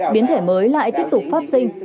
biến thể mới lại tiếp tục phát sinh